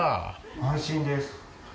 安心です。